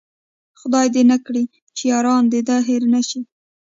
خداې دې نه کړي چې ياران د ده نه هير شي